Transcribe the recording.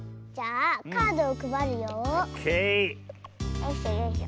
よいしょよいしょ。